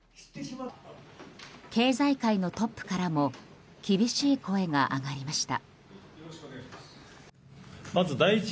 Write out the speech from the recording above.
経済界のトップからも厳しい声が上がりました。